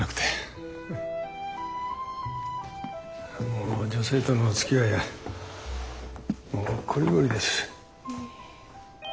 もう女性とのおつきあいはもうこりごりです。